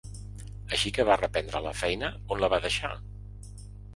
Així que va reprendre la feina on la va deixar?